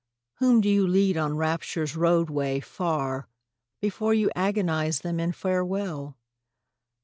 Whom do you lead on Rapture's roadway, far, Before you agonise them in farewell?